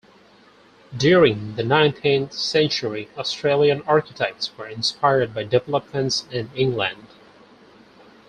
During the nineteenth century, Australian architects were inspired by developments in England.